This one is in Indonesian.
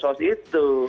jangan jahat itu